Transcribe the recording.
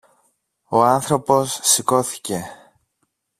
Ο άνθρωπος σηκώθηκε